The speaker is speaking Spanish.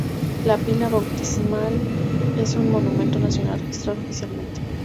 La pila bautismal es un monumento nacional registrado oficialmente.